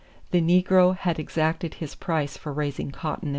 The negro had exacted his price for raising cotton and corn.